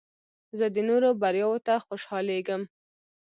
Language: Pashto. زه د نورو بریاوو ته خوشحالیږم.